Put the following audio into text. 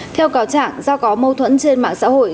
theo cáo trạng do có mâu thuẫn trên mạng xã hội